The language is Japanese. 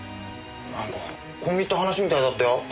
なんか込み入った話みたいだったよ。